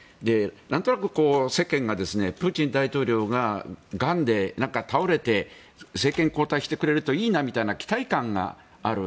なんとなく世間がプーチン大統領が、がんで倒れて、政権交代してくれるといいなみたいな期待感がある。